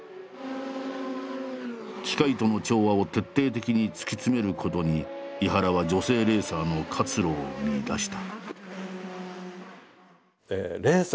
機械との調和を徹底的に突き詰めることに井原は女性レーサーの活路を見いだした。